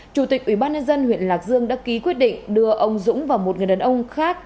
chủ tịch ủy ban nhân dân huyện lạc dương đã ký quyết định đưa ông dũng và một người đàn ông khác